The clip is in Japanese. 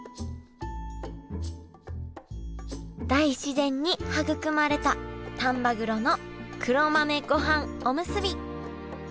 大自然に育まれた丹波黒の黒豆ごはんおむすび。